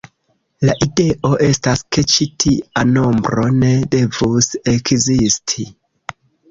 La ideo estas ke ĉi tia nombro ne devus ekzisti.